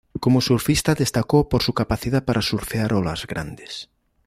Como surfista destacó por su capacidad para surfear olas grandes.